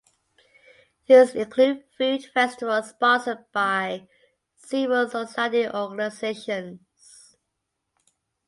These include food festivals sponsored by civil society organizations.